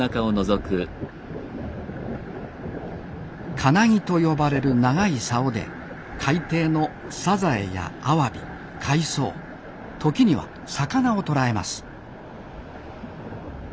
「かなぎ」と呼ばれる長い竿で海底のサザエやアワビ海藻時には魚を捕らえます。